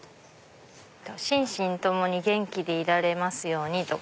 「心身共に元気でいられますように」。